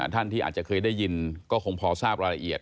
ท่านที่อาจจะเคยได้ยินก็คงพอทราบรายละเอียด